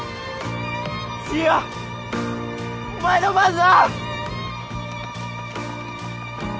次はお前の番だ！